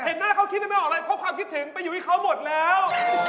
หน้าเขาคิดยังไม่ออกเลยเพราะความคิดถึงไปอยู่ที่เขาหมดแล้ว